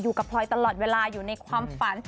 อยู่กับพลอยตลอดเวลาอยู่ในความฝัน